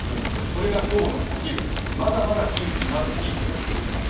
これが今日のお昼、まだまだ近畿などピークが続きます。